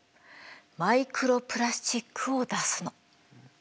マイクロプラスチックを出すの。